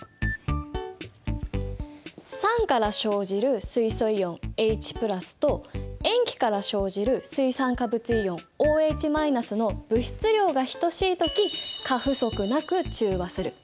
酸から生じる水素イオンＨと塩基から生じる水酸化物イオンＯＨの物質量が等しい時過不足なく中和する。